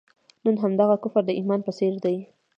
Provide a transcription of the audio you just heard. نن همدغه کفر د ایمان په څېر دی.